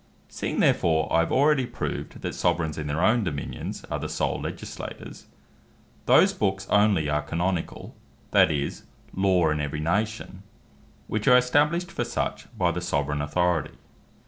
Seeing therefore I have already proved, that Soveraigns in their own Dominions are the sole Legislators; those Books only are Canonicall, that is, Law, in every nation, which are established for such by the Soveraign Authority.